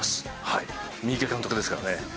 三池監督ですからね。